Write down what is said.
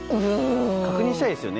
確認したいですよね。